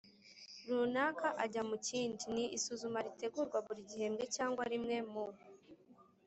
runaka ajya mu kindi. Ni isuzuma ritegurwa buri gihembwe cyangwa rimwe mu